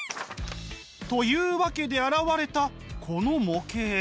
というわけで現れたこの模型。